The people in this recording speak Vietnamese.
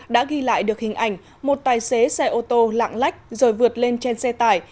đã ghi lại được hình ảnh một tài xế xe ô tô lạng lách rồi vượt lên trên xe tải